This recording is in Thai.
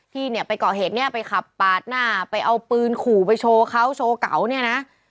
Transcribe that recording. ที่เนี่ยไปก่อเหตุเนี่ยไปขับปาดหน้าไปเอาปืนขู่ไปโชว์เขาโชว์เก่าเนี่ยนะ